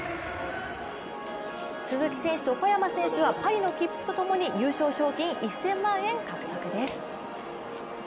鈴木選手と小山選手はパリの切符とともに優勝賞金１０００万円、獲得です。